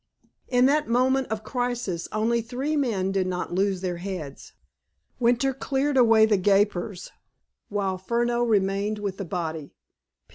In that moment of crisis only three men did not lose their heads. Winter cleared away the gapers, while Furneaux remained with the body.